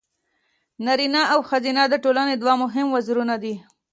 نارینه او ښځینه د ټولنې دوه مهم وزرونه دي.